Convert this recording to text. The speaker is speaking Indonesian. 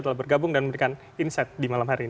telah bergabung dan memberikan insight di malam hari ini